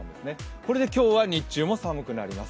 これで今日は日中も寒くなります。